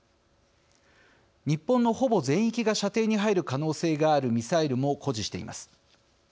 日本のほぼ全域が射程に入る可能性があるミサイルも誇示しています。